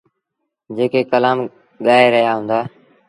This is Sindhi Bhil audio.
جيڪي ڪلآم ڳآئي رهيآ هُݩدآ۔